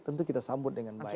tentu kita sambut dengan baik